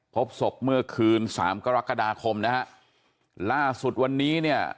พบศพเมื่อคืนสามกรกฎาคมนะฮะล่าสุดวันนี้เนี่ย